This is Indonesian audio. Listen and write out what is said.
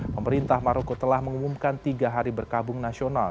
pemerintah maroko telah mengumumkan tiga hari berkabung nasional